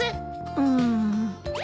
うん。